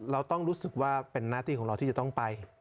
เราต้องรู้สึกว่าเป็นหน้าที่ของเราที่จะต้องไป